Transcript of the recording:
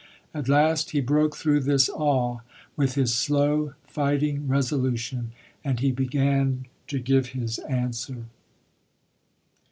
At last he broke through this awe, with his slow fighting resolution, and he began to give his answer.